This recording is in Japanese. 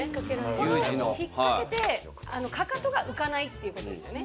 これを引っ掛けてかかとが浮かないっていうことですよね。